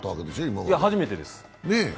いや、初めてです。